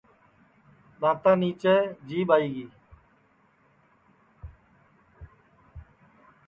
دؔاتا نیچے جیٻ آئی گی